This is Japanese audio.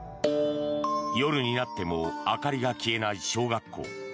夜になっても明かりが消えない小学校。